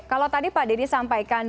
kalau tadi pak dedy sampaikan